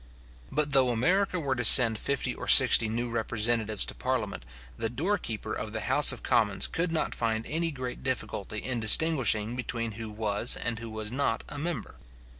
But though America were to send fifty or sixty new representatives to parliament, the door keeper of the house of commons could not find any great difficulty in distinguishing between who was and who was not a member.